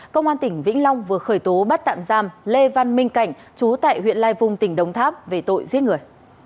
công an tỉnh vĩnh long vừa khởi tố bắt tạm giam lê văn minh cảnh chú tại huyện lai vung tỉnh đồng tháp về tội giết người